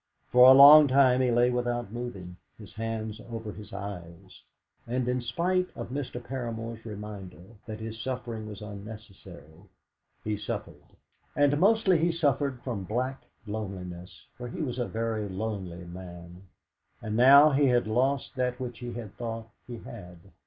For a long time he lay without moving, his hands over his eyes, and in spite of Mr. Paramor's reminder that his suffering was unnecessary, he suffered. And mostly he suffered from black loneliness, for he was a very lonely man, and now he had lost that which he had thought he had.